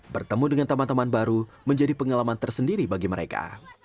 bertemu dengan teman teman baru menjadi pengalaman tersendiri bagi mereka